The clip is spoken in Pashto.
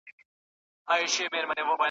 د سړک په پای کي ,